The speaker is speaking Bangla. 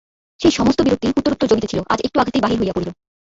সেই-সমস্ত বিরক্তি উত্তরোত্তর জমিতেছিল–আজ একটু আঘাতেই বাহির হইয়া পড়িল।